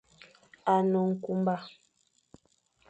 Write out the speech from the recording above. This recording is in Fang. A ne nkunba.